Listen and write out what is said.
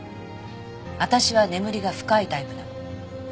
私は眠りが深いタイプなの。